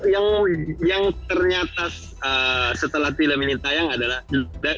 yang ternyata setelah film ini tayang adalah